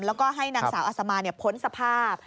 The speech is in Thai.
แล้วก็ให้นางสาวอัศมาพ้นสภาพ